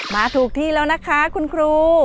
มาถูกที่แล้วนะคะคุณครู